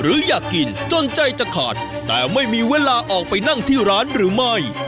อยากกินจนใจจะขาดแต่ไม่มีเวลาออกไปนั่งที่ร้านหรือไม่